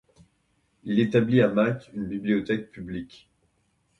Il établit à Malte une bibliothèque publique.